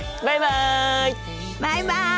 バイバイ！